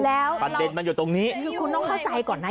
แล้วประเด็นมันอยู่ตรงนี้คือคุณต้องเข้าใจก่อนนะ